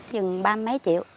chừng ba mươi mấy triệu